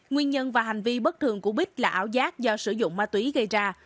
nguyên nhân và hành vi bất thường của bích là ảo giác do sử dụng ma túy gây ra